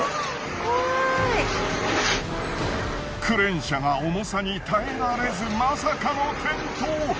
クレーン車が重さに耐えられずまさかの転倒。